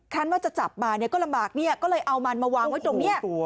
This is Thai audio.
ครั้นว่าจะจับมาก็ลำบากก็เลยเอามันมาวางไว้ตรงนี้